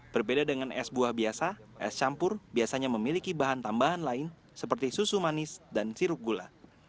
berbeda dengan es buah biasa es campur biasanya memiliki bahan tambahan lain seperti susu manis dan sirup gula